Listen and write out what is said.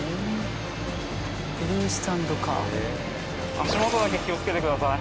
足元だけ気をつけてください。